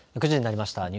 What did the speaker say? ９時になりました。